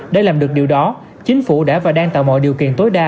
để làm được điều đó chính phủ đã và đang tạo mọi điều kiện tối đa